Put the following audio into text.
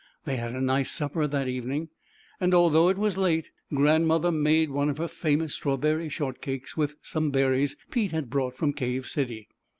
They had a nice supper that evening, and, although it was late, Grandmother made orie of her famous Strawberry Shortcakes with some berries Pete had brought from Cave City.